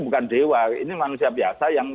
bukan dewa ini manusia biasa yang